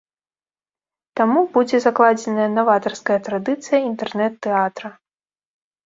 Таму будзе закладзеная наватарская традыцыя інтэрнэт-тэатра.